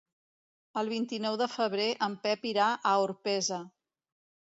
El vint-i-nou de febrer en Pep irà a Orpesa.